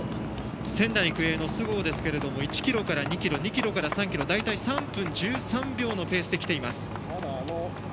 仙台育英の須郷ですが１ｋｍから２ｋｍ２ｋｍから３ｋｍ大体３分１３秒のペースできています。